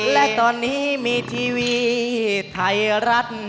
และตอนนี้มีทีวีไทยรัฐ